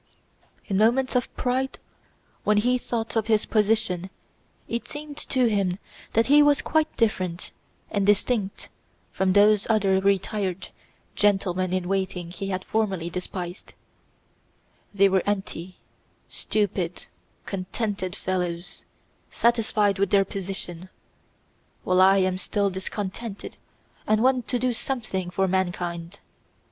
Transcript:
In moments of pride, when he thought of his position it seemed to him that he was quite different and distinct from those other retired gentlemen in waiting he had formerly despised: they were empty, stupid, contented fellows, satisfied with their position, "while I am still discontented and want to do something for mankind.